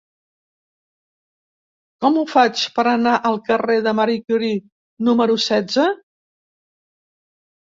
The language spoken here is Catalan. Com ho faig per anar al carrer de Marie Curie número setze?